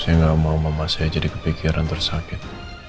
saya nggak mau mama saya jadi kepikiran tersakit